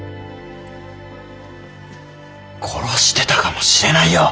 殺してたかもしれないよ。